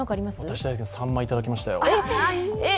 私はサンマいただきましたよ。